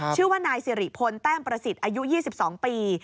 ชื่อว่านายสิริพลแต้มประสิทธิ์อายุ๒๒ปี